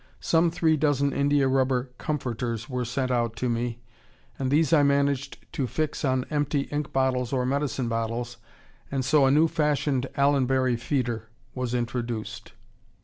Some three dozen india rubber "comforters" were sent out to me, and these I managed to fix on empty ink bottles or medicine bottles, and so a new fashioned "Allenbury feeder" was introduced.